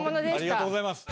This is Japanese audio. ありがとうございます。